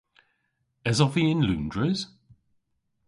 Esov vy yn Loundres?